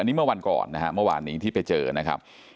นี่เมื่อวันก่อนนะฮะเมื่อวานนี้ที่ไปเจอนะครับ